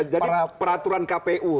jadi peraturan kpu